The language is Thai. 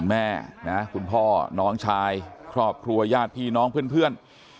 แม่นะคุณพ่อน้องชายครอบครัวญาติพี่น้องเพื่อน